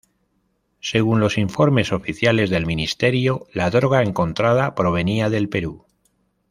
Según los informes oficiales del ministerio, la droga encontrada provenía del Perú.